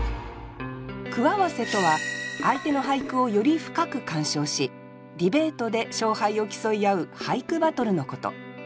句合わせとは相手の俳句をより深く鑑賞しディベートで勝敗を競い合う俳句バトルのこと。